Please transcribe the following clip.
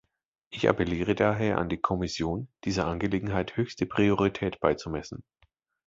Ich appelliere daher an die Kommission, dieser Angelegenheit höchste Priorität beizumessen.